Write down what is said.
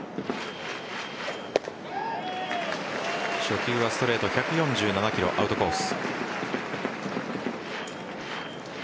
初球はストレート１４７キロ、アウトコース。